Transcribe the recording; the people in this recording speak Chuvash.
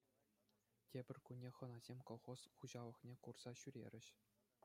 Тепӗр кунне хӑнасем колхоз хуҫалӑхне курса ҫӳрерӗҫ.